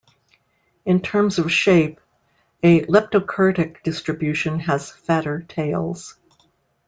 In terms of shape, a leptokurtic distribution has "fatter tails".